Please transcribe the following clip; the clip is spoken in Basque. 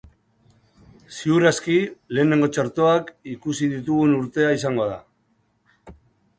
Ziur aski, lehenengo txertoak ikusi ditugun urtea izango da.